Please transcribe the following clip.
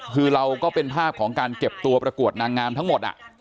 คือเราก็เป็นภาพของการเก็บตัวประกวดนางงามทั้งหมด